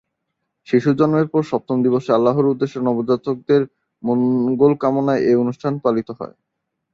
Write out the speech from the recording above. শিশুর জন্মের পর সপ্তম দিবসে আল্লাহর উদ্দেশ্যে নবজাতকের মঙ্গলকামনায় এ অনুষ্ঠান পালিত হয়।